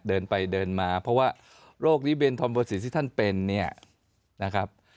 เดินไปเดินมาเพราะว่าโรคนี้เป็นธอมประสิทธิ์ที่ท่านเป็นเนี่ยนะครับ